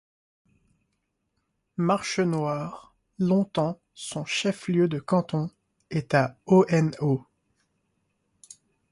Marchenoir, longtemps son chef-lieu de canton, est à O-N-O.